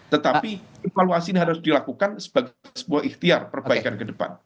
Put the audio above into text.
tetapi evaluasi ini harus dilakukan sebagai sebuah ikhtiar perbaikan ke depan